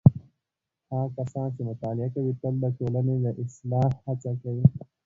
هغه کسان چې مطالعه کوي تل د ټولنې د اصلاح هڅه کوي.